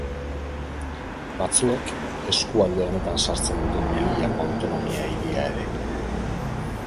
Batzuek eskualde honetan sartzen dute Melillako autonomia hiria ere.